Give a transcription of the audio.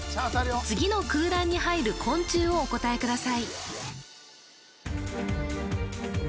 次の空欄に入る昆虫をお答えください